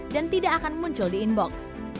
tidak akan muncul di inbox